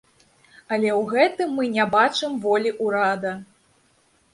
Але ў гэтым мы не бачым волі ўрада.